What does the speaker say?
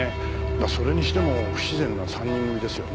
それにしても不自然な３人組ですよね。